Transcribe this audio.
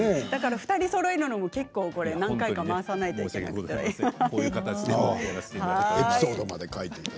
２人そろえるには何回か回さなくてはいけないんですよね。